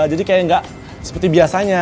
jadi kayak gak seperti biasanya